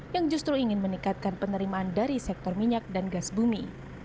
yang justru ingin meningkatkan penerimaan dari sektor minyak dan gas bumi